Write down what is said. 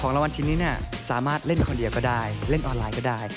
รางวัลชิ้นนี้สามารถเล่นคนเดียวก็ได้เล่นออนไลน์ก็ได้